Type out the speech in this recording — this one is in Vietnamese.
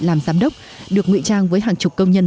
làm giám đốc được ngụy trang với hàng chục công nhân